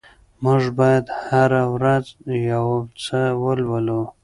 موږ بايد هره ورځ يو څه ولولو.